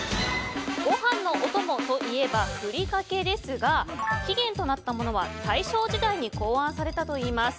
ご飯のお供といえばふりかけですが起源となったものは大正時代に考案されたといいます。